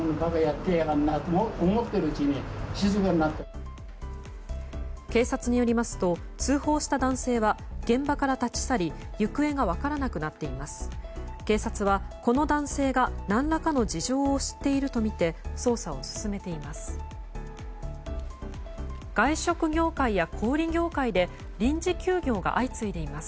警察はこの男性が何らかの事情を知っているとみて捜査を進めています。